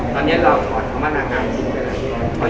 ตอนนี้เราขอทำมานาคารจริงนะครับ